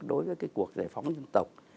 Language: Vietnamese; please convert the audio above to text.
đối với cuộc giải phóng dân tộc